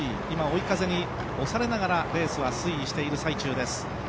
今、追い風に押されながらレースは推移している最中です。